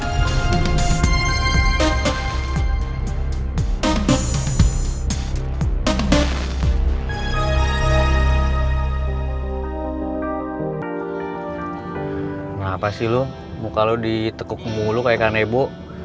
kenapa sih lo muka lo ditekuk mulu kayak kanebo